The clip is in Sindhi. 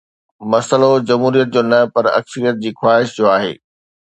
مسئلو جمهوريت جو نه پر اڪثريت جي خواهش جو آهي.